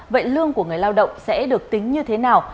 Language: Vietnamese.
vậy lương của người lao động sẽ được tính như thế nào